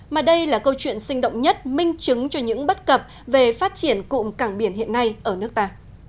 mà đây là câu chuyện sinh động nhất minh chứng cho những bất cập về phát triển cụm cảng biển hiện nay ở nước ta